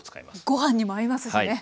ご飯にも合いますしね。